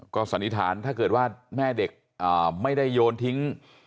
ก็สันนิษฐานถ้าเกิดว่าแม่เด็กไม่ได้โยนทิ้ง